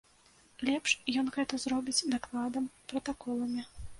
Лепш ён гэта зробіць дакладам, пратаколамі.